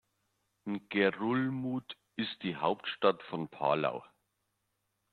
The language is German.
Ngerulmud ist die Hauptstadt von Palau.